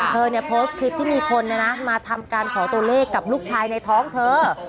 เธอเนี่ยโพสต์คลิปที่มีคนมาทำการขอตัวเลขกับลูกชายในท้องเธอ